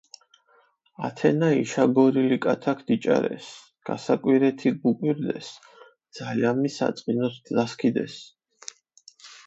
ათენა იშაგორილი კათაქ დიჭარეს, გასაკვირეთი გუკვირდეს, ძალამი საწყინოთ დასქიდეს.